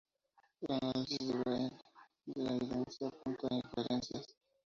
El análisis de Brian de la evidencia apunta incoherencias.